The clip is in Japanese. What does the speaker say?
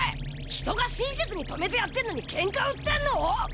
人が親切に止めてやってるのにけんか売ってんの！？